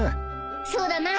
そうだな。